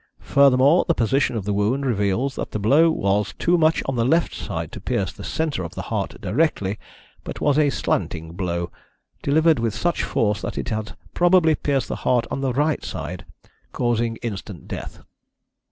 Furthermore, the position of the wound reveals that the blow was too much on the left side to pierce the centre of the heart directly, but was a slanting blow, delivered with such force that it has probably pierced the heart on the right side, causing instant death."